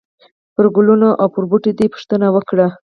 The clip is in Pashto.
پرګلونو او پر بوټو دي، پوښتنه وکړئ !!!